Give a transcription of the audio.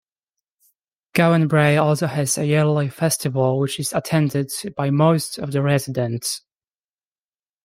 Gowanbrae also has a yearly festival which is attended by most of the residents.